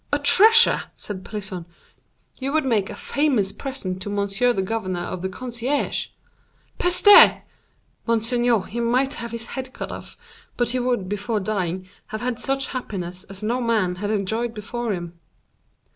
"A treasure!" said Pelisson; "you would make a famous present to monsieur the governor of the concierge! Peste! monseigneur, he might have his head cut off; but he would, before dying, have had such happiness as no man had enjoyed before him."